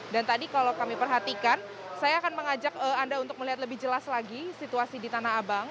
dan tadi kalau kami perhatikan saya akan mengajak anda untuk melihat lebih jelas lagi situasi di tanah abang